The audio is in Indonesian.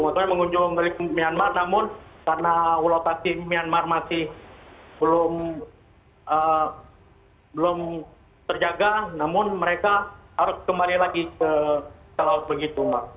maksudnya mengunjung dari myanmar namun karena lokasi myanmar masih belum terjaga namun mereka harus kembali lagi ke laut begitu